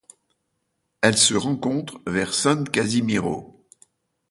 Elle se rencontre vers San Casimiro.